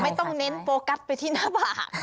ไม่ต้องเน้นโฟกัสไปที่หน้าผาก